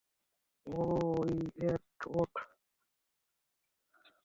এই, ওঠ।